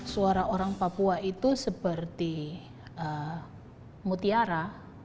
suara orang papua itu seperti mutiara